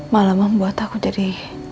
malah membuat aku jadi